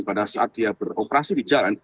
pada saat dia beroperasi di jalan